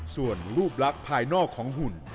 ส่วนรูปลักษณ์ภายนอกของหุ่น